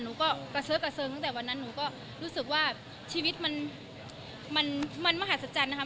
หนูก็กระเสิร์ฟกระเซิงตั้งแต่วันนั้นหนูก็รู้สึกว่าชีวิตมันมันมหัศจรรย์นะคะ